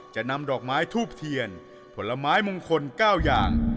จะนำดอกไม้ทูบเทียนผลไม้มงคล๙อย่าง